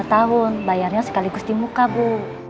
minimal dua tahun bayarnya sekaligus di muka bu